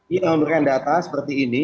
ya memberikan data seperti ini